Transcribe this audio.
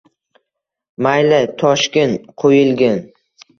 Mayli, toshgin, quyilgin.